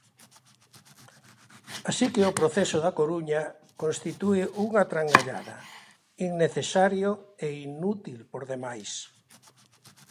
Así que o proceso da Coruña constitúe unha trangallada, innecesario e inútil por demais.